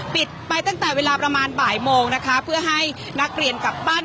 ปิดไปตั้งแต่เวลาประมาณบ่ายโมงนะคะเพื่อให้นักเรียนกลับบ้าน